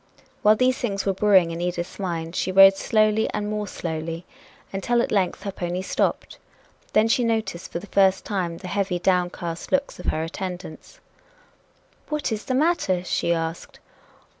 While these things were brewing in Edith's mind, she rode slowly and more slowly, until at length her pony stopped. Then she noticed for the first time the heavy, downcast looks of her attendants. "What is the matter?" she asked.